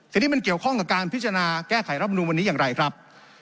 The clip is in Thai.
ทีนี้มันเกี่ยวข้องกับการพิจารณาแก้ไขรับนูลวันนี้อย่างไรครับ